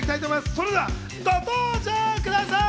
それではご登場ください！